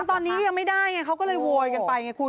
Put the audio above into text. ตอนนี้ยังไม่ได้ไงเขาก็เลยโวยกันไปไงคุณ